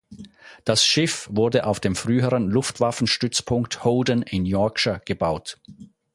Das Schiff wurde auf dem früheren Luftwaffenstützpunkt Howden in Yorkshire gebaut.